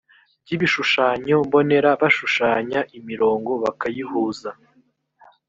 by ibishushanyo mbonera bashushanya imirongo bakayihuza